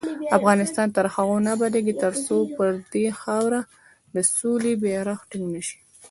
افغانستان تر هغو نه ابادیږي، ترڅو پر دې خاوره د سولې بیرغ ټینګ نشي.